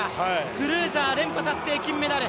クルーザー連覇達成、金メダル。